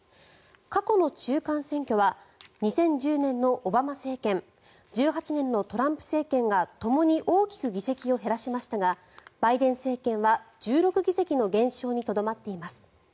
過去の中間選挙は２０１０年のオバマ政権１８年のトランプ政権がともに大きく議席を減らしましたがバイデン政権は１６議席の減少にとどまっています。